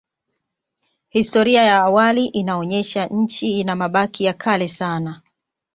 Historia ya awali inaonyesha Nchi ina mabaki ya kale sana